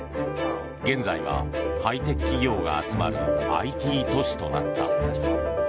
現在はハイテク企業が集まるＩＴ都市となった。